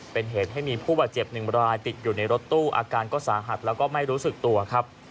เป็นเหตุให้มีผู้บาดเจ็บหนึ่งรายติดอยู่ในรถตู้อาการก็สาหัสแล้วก็ไม่รู้สึกตัวครับ